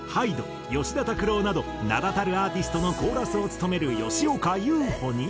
吉田拓郎など名だたるアーティストのコーラスを務める吉岡悠歩に。